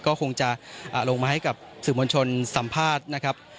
ก็คงจะลงมาให้กับสื่อมวลชนสัมภาษณ์นะครับ